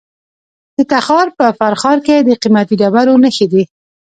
د تخار په فرخار کې د قیمتي ډبرو نښې دي.